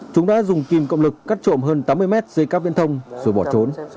chúng đã dùng kìm cộng lực cắt trộm hơn tám mươi m dây cáp viên thông rồi bỏ trốn